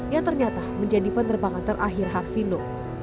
yang ternyata menjadi penerbangan terakhir harvino